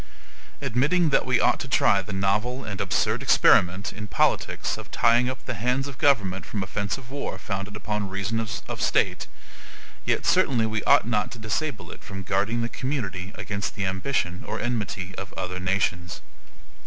Admitting that we ought to try the novel and absurd experiment in politics of tying up the hands of government from offensive war founded upon reasons of state, yet certainly we ought not to disable it from guarding the community against the ambition or enmity of other nations.